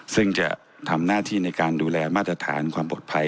ซึ่งจะทำหน้าที่ในการดูแลมาตรฐานความปลอดภัย